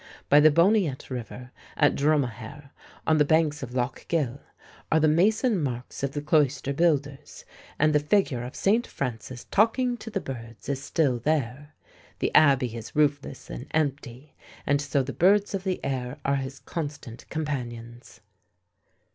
By the Boniet River, at Drumahaire, on the banks of Lough Gill, are the mason marks of the cloister builders, and the figure of St. Francis talking to the birds is still there. The abbey is roofless and empty, and so the birds of the air are his constant companions.